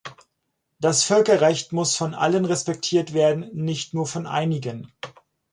Das Völkerrecht muss von allen respektiert werden, nicht nur von einigen.